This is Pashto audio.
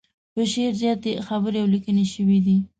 په شعر زياتې خبرې او ليکنې شوي دي.